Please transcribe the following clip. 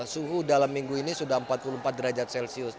suhu dalam minggu ini sudah empat puluh empat derajat celcius